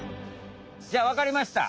じゃあわかりました！